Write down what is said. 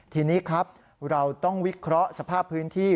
ทีนี้ครับเราต้องวิเคราะห์สภาพพื้นที่